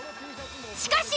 しかし！